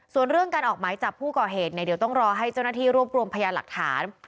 ส่วนเรื่องการออกหมายจับผู้ก่อเหตุเนี่ยเดี๋ยวต้องรอให้เจ้าหน้าที่รวบรวมพยานหลักฐาน